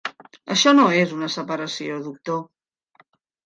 Això no és una separació, doctor.